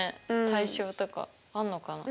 対称とかあんのかな？